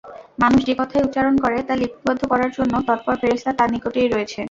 মানুষ যে কথাই উচ্চারণ করে তা লিপিবদ্ধ করার জন্য তৎপর ফেরেশতা তার নিকটেই রয়েছে।